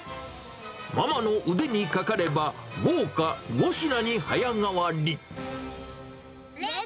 ママの腕にかかれば、豪華５品に早変わり。